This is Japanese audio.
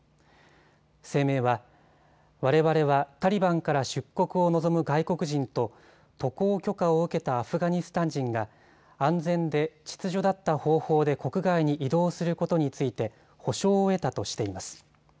声明はわれわれはタリバンから出国を望む外国人と渡航許可を受けたアフガニスタン人が安全で秩序だった方法で国外に移動することについて保証を得たとしています。